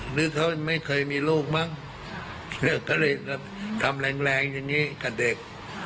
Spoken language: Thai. หรือเขาไม่เคยมีลูกมั้งก็เลยทำแรงแรงอย่างนี้กับเด็ก